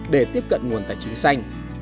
để tiếp cận nguồn tài chính xanh